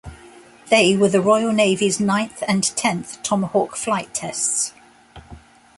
They were the Royal Navy's ninth and tenth Tomahawk flight tests.